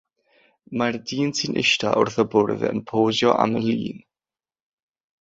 Mae'r dyn sy'n eistedd wrth y bwrdd yn posio am lun.